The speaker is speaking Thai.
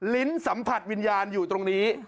ลิ้นสัมผัสวิญญาณอยู่ตรงนี้